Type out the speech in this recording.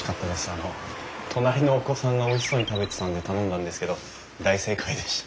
あの隣のお子さんがおいしそうに食べてたので頼んだんですけど大正解でした。